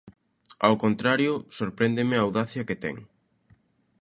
Ao contrario, sorpréndeme a audacia que ten.